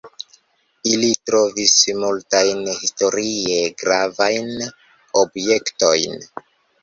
Ili trovis multajn historie gravajn objektojn.